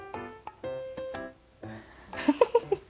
フフフフ。